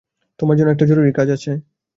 তোমার জন্য একটা জরুরি কাজ আছে।